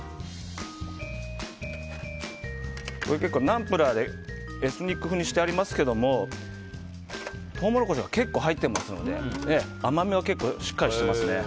ナンプラーでエスニック風にしてありますけどもトウモロコシが結構入ってますので甘みも結構しっかりしてますね。